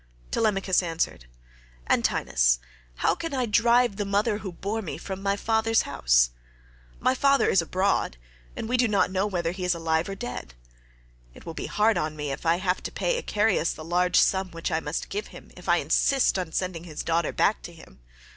Telemachus answered, "Antinous, how can I drive the mother who bore me from my father's house? My father is abroad and we do not know whether he is alive or dead. It will be hard on me if I have to pay Icarius the large sum which I must give him if I insist on sending his daughter back to him.